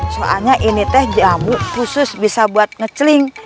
soalnya ini teh jambu khusus bisa buat ngeceling